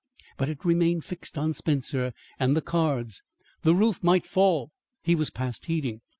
But it remained fixed on Spencer, and the cards. The roof might fall he was past heeding.